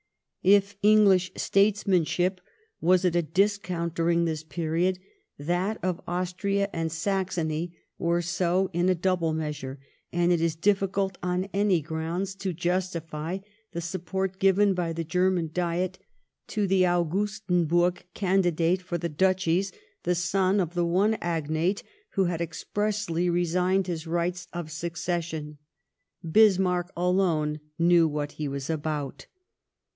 If English statesmanship was at a discount during this period, that of Austria and Saxony was so in a double measure ; and it is difficult on any grounds to justify the support given by the German Diet to the Augustenburg candidate for the Duchies, the son of the one agnate who had expressly resigned his rights of succession. Bismarck alone knew what he was about.